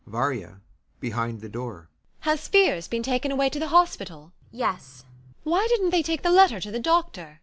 VARYA. [Behind the door] Has Fiers been taken away to the hospital? ANYA. Yes. VARYA. Why didn't they take the letter to the doctor?